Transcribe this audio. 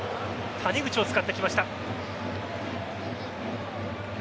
谷口を使ってきました。